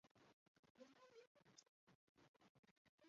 世界青年拉力锦标赛所举办的世界性拉力系列赛。